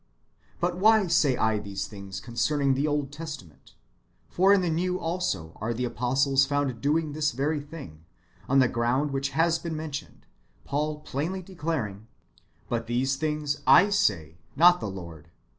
But why say I these things concerning the Old Testament ? For in the New also are the apostles found doing this very tiling, on the ground which has been mentioned, Paul plainly declaring, " But these things I say, not the Lord."